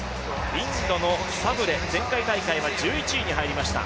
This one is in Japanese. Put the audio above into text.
インドのサブレ、前回大会は１１位に入りました。